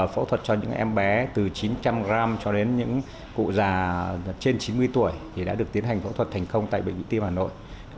phẫu thuật cho những em bé từ chín trăm linh g cho đến những cụ già trên chín mươi tuổi thì đã được tiến hành phẫu thuật thành công tại bệnh viện tim hà nội